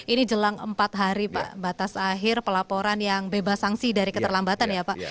ini jelang empat hari pak batas akhir pelaporan yang bebas sanksi dari keterlambatan ya pak